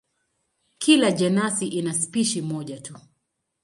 Kila jenasi ina spishi moja tu.